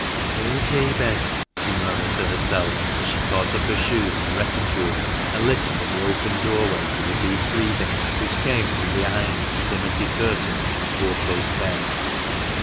" Poor Jabez !" she murmured to herself, as she caught up her shoes and reticule, and listened in the open doorway for 360 THE MANCHESTER MAN. the deep breathing which came from behind the dimity curtains of the four post bed.